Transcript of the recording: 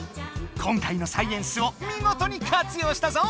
今回のサイエンスをみごとに活用したぞ！